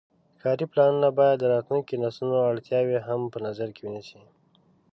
ښاري پلانونه باید د راتلونکو نسلونو اړتیاوې هم په نظر کې ونیسي.